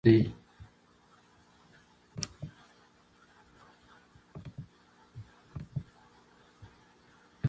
ډيپلومات د حقیقت بیان ته ژمن دی.